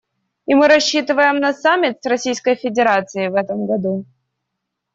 И мы рассчитываем на саммит с Российской Федерацией в этом году.